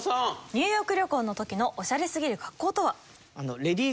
ニューヨーク旅行の時のオシャレすぎる格好とは？